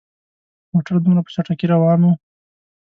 موټر دومره په چټکۍ روان وو.